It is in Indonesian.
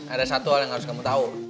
ada satu hal yang harus kamu tahu